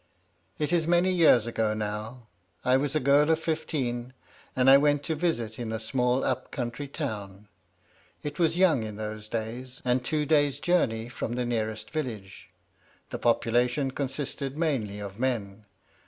It is many years ago now; I was a girl of fifteen, and I went to visit in a small up country town. It was young in those days, and two days' journey from the nearest village; the population consisted mainly of men.